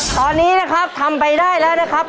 ตอนนี้นะครับทำไปได้แล้วนะครับ